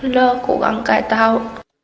là cố gắng cải tạo